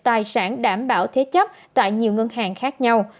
tài sản đảm bảo thế chấp tại nhiều ngân hàng khác nhau